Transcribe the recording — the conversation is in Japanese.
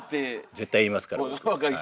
絶対言いますから僕はい。